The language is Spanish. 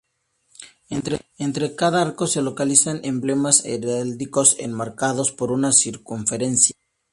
Entre cada arco se localizan emblemas heráldicos enmarcados por una circunferencia.